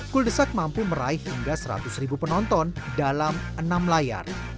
kuldesak mampu meraih hingga seratus ribu penonton dalam enam layar